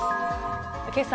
けさ